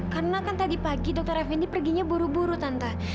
karena kan tadi pagi dokter effendy perginya buru buru tante